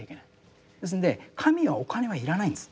ですんで神はお金は要らないんです。